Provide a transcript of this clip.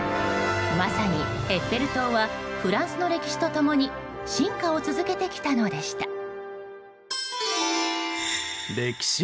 まさに、エッフェル塔はフランスの歴史と共に進化を続けてきたのでした。